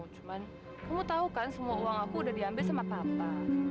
cuman kamu tau kan semua uang aku udah diambil sama papa